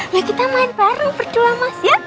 ya kita main bareng berdua mas ya